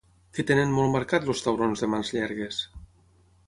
Què tenen molt marcat els taurons de mans llargues?